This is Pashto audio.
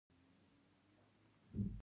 د ګنبدونو رنګونه ابي او فیروزه یي دي.